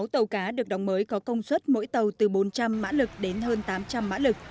sáu tàu cá được đóng mới có công suất mỗi tàu từ bốn trăm linh mã lực đến hơn tám trăm linh mã lực